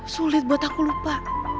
sulit buat aku lupa